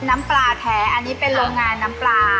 น้ำปลาแท้อันนี้เป็นโรงงานน้ำปลา